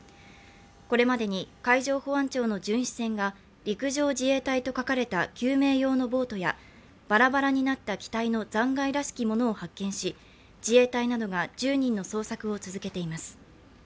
これまでに海上保安庁の巡視船が「陸上自衛隊」と書かれた救命用のボートやバラバラになった機体の残骸らしきものを発見し自衛隊などが１０人の捜索を続けています。